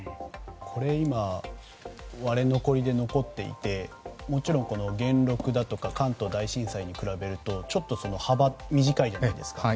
これ、今割れ残りで残っていてもちろん元禄だとか関東大震災に比べると幅がちょっと短いじゃないですか。